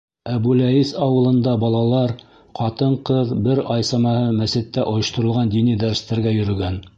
Әбүләйес ауылында балалар, ҡатын-ҡыҙ бер ай самаһы мәсеттә ойошторолған дини дәрестәргә йөрөгән.